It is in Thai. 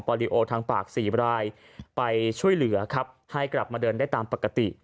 ลิโอทางปากสี่รายไปช่วยเหลือครับให้กลับมาเดินได้ตามปกติ